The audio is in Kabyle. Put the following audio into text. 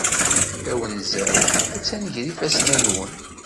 Tawenza-w attan gar ifassen-nwen.